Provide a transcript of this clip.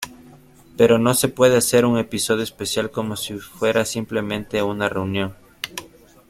Pero no se puede hacer un episodio especial como si fuera simplemente una reunión.